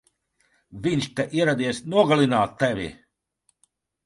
Viņš te ieradies nogalināt tevi!